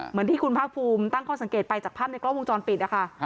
เหมือนที่คุณภาคภูมิตั้งข้อสังเกตไปจากภาพในกล้องวงจรปิดนะคะ